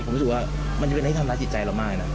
ผมรู้สึกว่ามันจะเป็นที่ทำร้ายจิตใจเรามากนะ